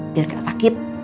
biar gak sakit